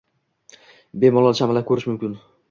Bemalol chamalab ko‘rish mumkin.